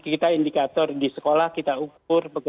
kita indikator di sekolah kita ukur